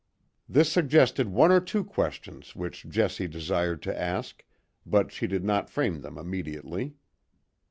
This suggested one or two questions, which Jessie desired to ask, but she did not frame them immediately.